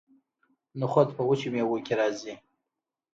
نخود په وچو میوو کې راځي.